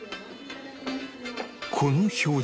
この表情